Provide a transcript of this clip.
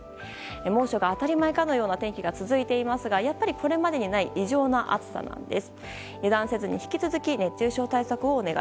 猛暑が当たり前かのような天気が続いていますがやっぱり、これまでにない異常な暑さなんです。